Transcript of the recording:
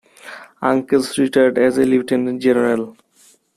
Uncles retired as a lieutenant general.